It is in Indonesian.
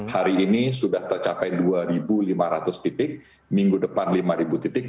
hari ini sudah tercapai dua lima ratus titik minggu depan lima titik